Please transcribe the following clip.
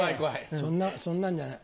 そんなそんなんじゃない。